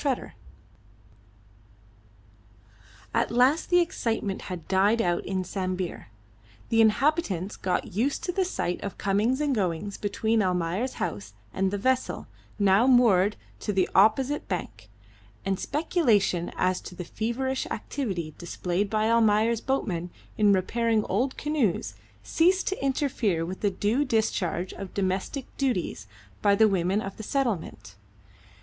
CHAPTER V. At last the excitement had died out in Sambir. The inhabitants got used to the sight of comings and goings between Almayer's house and the vessel, now moored to the opposite bank, and speculation as to the feverish activity displayed by Almayer's boatmen in repairing old canoes ceased to interfere with the due discharge of domestic duties by the women of the Settlement.